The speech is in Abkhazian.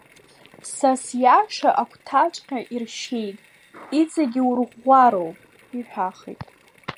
Са сиаша агәҭаҵәҟьа иршьеит, иҵегь иурыӷәӷәароуп, иҳәахит…